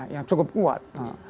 yang cukup kuat